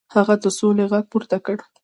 هغه د سولې غږ پورته کړ.